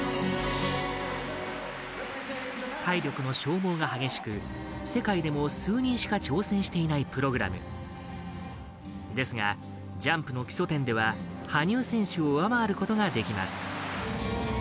体力の消耗が激しく世界でも数人しか挑戦していないプログラム。ですが、ジャンプの基礎点では羽生選手を上回ることができます。